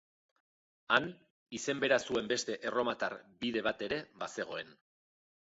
Han, izen bera zuen beste erromatar bide bat ere bazegoen.